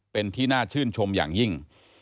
เป็นที่น่าชื่นชมอย่างยิ่ง